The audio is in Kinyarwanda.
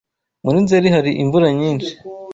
Muri Nzeri hari imvura nyinshi.